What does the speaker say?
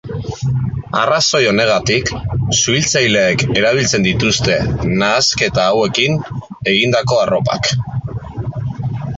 Arrazoi honegatik, suhiltzaileek erabiltzen dituzte nahasketa hauekin egindako arropak.